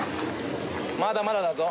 まだまだだぞ。